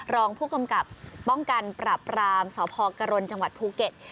รองผู้กำกับป้องกันปราบรามสพกรณจังหวัดภูเก็ต